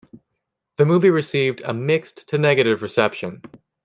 The movie received a mixed to negative reception.